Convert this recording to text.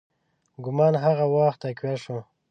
ګومان هغه وخت تقویه شو.